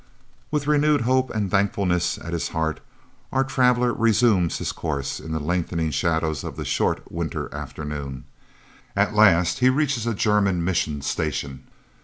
With renewed hope and thankfulness at his heart our traveller resumes his course in the lengthening shadows of the short winter afternoon. At last he reaches a German mission station.